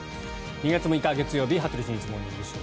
２月６日、月曜日「羽鳥慎一モーニングショー」。